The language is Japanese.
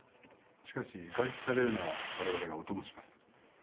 しかし外出されるなら我々がお供します。